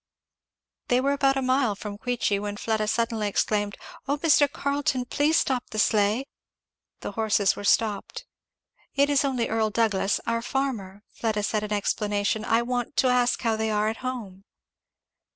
They were about a mile from Queechy when Pleda suddenly exclaimed, "O Mr. Carleton, please stop the sleigh I " The horses were stopped. "It is only Earl Douglass our farmer," Fleda said in explanation, "I want to ask how they are at home."